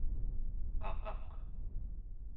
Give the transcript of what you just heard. qaqaq